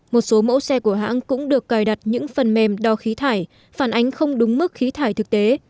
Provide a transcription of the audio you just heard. một số mẫu xe của hãng cũng được cài đặt những phần mềm đo khí thải phản ánh không đúng mức khí thải thực tế